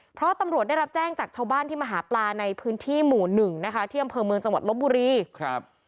เพราะตำรวจได้รับแจ้งจากชาวบ้านที่มาหาปลาในพื้นที่หมู่หนึ่งนะคะที่อำเภอเมืองจังหวัดลบบุรีครับ